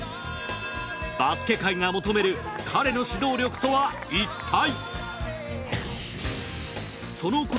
バスケ界が求める彼の指導力とはいったい？